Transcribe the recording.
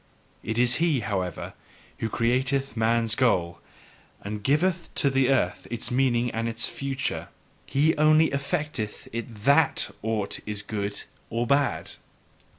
It is he, however, who createth man's goal, and giveth to the earth its meaning and its future: he only EFFECTETH it THAT aught is good or bad.